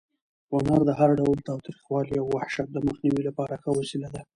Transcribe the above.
هنر د هر ډول تاوتریخوالي او وحشت د مخنیوي لپاره ښه وسله ده.